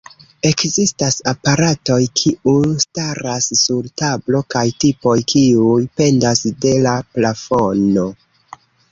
Ekzistas aparatoj kiu staras sur tablo kaj tipoj kiuj pendas de la plafono.